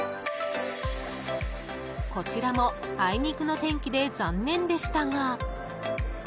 こちらもあいにくの天気で残念でしたが。